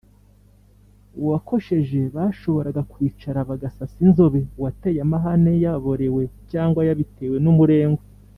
uwakosheje bashoboraga kwicara bagasasa inzobe uwateye amahane yaborewe cyangwa yabitewe n’umurengwe